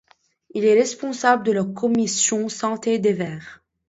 Il est responsable de la Commission santé des Verts.